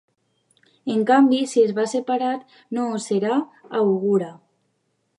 En canvi, si es va ‘separat’, no ho serà, augura.